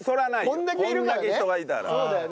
こんだけ人がいたら。